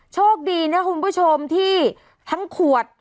โชคดีนะคุณผู้ชมที่ทั้งขวด